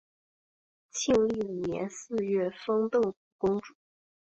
庆历五年四月封邓国公主。